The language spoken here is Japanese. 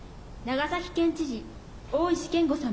長崎県知事、大石賢吾様。